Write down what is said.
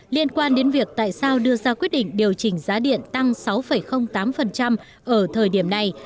liên quan đến việc tại sao đưa ra quyết định điều chỉnh giá điện tăng sáu tám ở thời điểm này